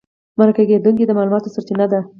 مرکه کېدونکی د معلوماتو سرچینه ده.